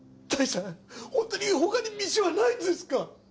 本当に他に道はないんですか？